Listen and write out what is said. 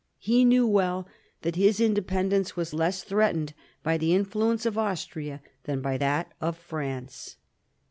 He knew well that his independence was less threatened by the influence of Austria than by that of France.